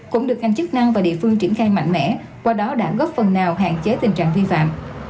cũng được ngành chức năng và địa phương triển khai mạnh mẽ qua đó đã góp phần nào hạn chế tình trạng vi phạm